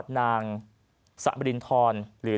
นางสะบรินทรหรือ